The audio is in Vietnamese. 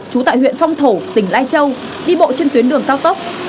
trú tại huyện phong thổ tỉnh lai châu đi bộ trên tuyến đường cao tốc